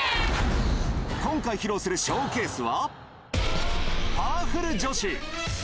今回披露するショーケースは、パワフル女子。